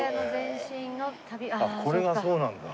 これがそうなんだ。